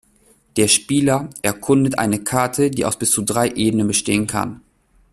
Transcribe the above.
Der Spieler erkundet eine Karte, die aus bis zu drei Ebenen bestehen kann.